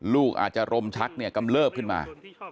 ลูกอาจจะรมชักเนี่ยกำเลิบขึ้นมา